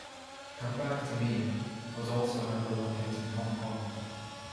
"Come Back to Me" was also a number-one hit in Hong Kong.